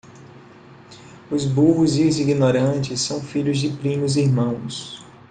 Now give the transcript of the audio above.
Os burros e os ignorantes são filhos de primos irmãos.